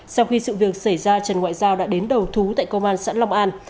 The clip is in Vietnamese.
sau khi sự việc xảy ra trần ngoại giao đã đến đầu thú tại công an sẵn long an